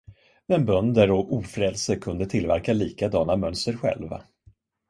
Men bönder och ofrälse kunde tillverka likadana mönster själva.